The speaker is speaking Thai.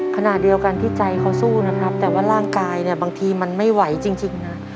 ขณะเดียวกันที่ใจเขาสู้นะครับแต่ว่าร่างกายเนี่ยบางทีมันไม่ไหวจริงนะ